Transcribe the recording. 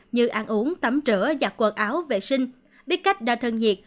như ăn uống tắm rửa giặt quần áo vệ sinh biết cách đa thân nhiệt